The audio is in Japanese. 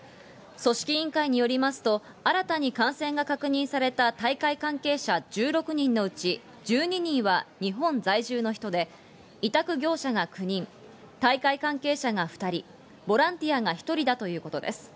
組織委員会によりますと新たに感染が確認された大会関係者１６人のうち１２人は日本在住の人で、委託業者が９人、大会関係者が２人、ボランティアが１人だということです。